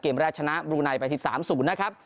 เกมแรกชนะลูไนไป๑๓๐นะครับ